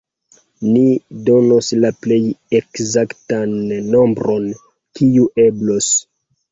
Ni donos la plej ekzaktan nombron, kiu eblos.